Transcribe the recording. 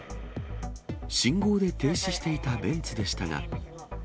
信号で停止していたベンツでしたが。